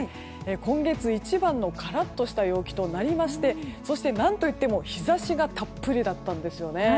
今月一番のカラッとした陽気となりまして、何といっても日差しがたっぷりだったんですよね。